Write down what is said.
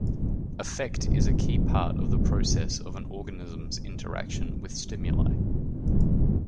Affect is a key part of the process of an organism's interaction with stimuli.